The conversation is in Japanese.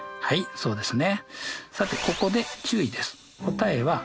そうですね。